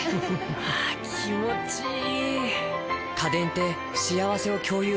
あ気持ちいい！